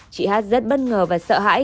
chị hát rất bất ngờ và sợ hãi